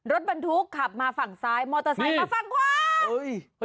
รถบรรทุกขับมาฝั่งซ้ายมอเตอร์ไซค์มาฝั่งขวา